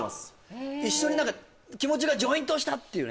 一緒に何か気持ちがジョイントしたっていうね